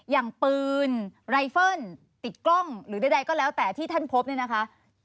อย่างปืนไลเฟิลติดกล้องหรือใดก็แล้วแต่ที่ท่านพบเนี่ยนะคะ